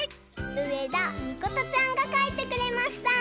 うえだみことちゃんがかいてくれました！